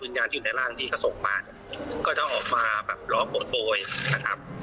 วิญญาณที่อยู่ในร่างที่กระสงค์มากก็จะออกมาแบบหลอกโบ๊ยนะครับ